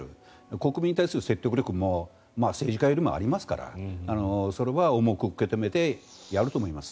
国民に対する説得力も政治家よりありますからそれは重く受け止めてやると思います。